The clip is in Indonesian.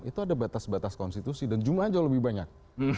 itu ada batas batas konstitusi dan jumlahnya jauh lebih banyak